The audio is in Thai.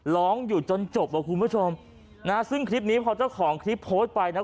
ร้องอยู่จนจบอ่ะคุณผู้ชมนะซึ่งคลิปนี้พอเจ้าของคลิปโพสต์ไปนะ